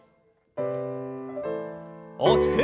大きく。